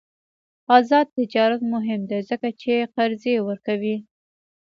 آزاد تجارت مهم دی ځکه چې قرضې ورکوي.